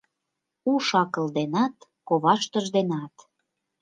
Уш-акыл денат, коваштыж денат.